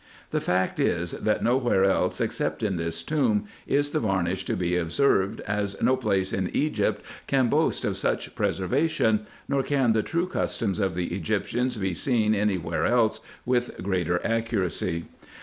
The fact is, that nowhere else except in this tomb is the varnish to be observed, as no place in Egypt can boast of such preservation, nor can the true customs of the Egyptians be seen any where else with greater accuracy.